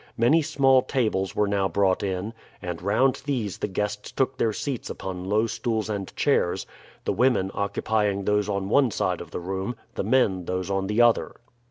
Many small tables were now brought in, and round these the guests took their seats upon low stools and chairs the women occupying those on one side of the room, the men those on the other.